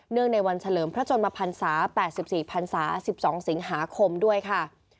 ในวันเฉลิมพระชนมพันศา๘๔พันศา๑๒สิงหาคมด้วยค่ะ